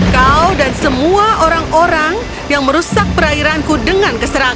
kau dan semua orang orang yang merusak perairanku dengan keserangan